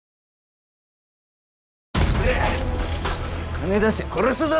金出せ殺すぞ。